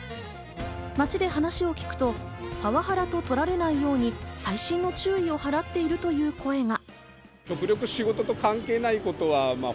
街で話を聞くと、パワハラと取られないように細心の注意を払っているという声が。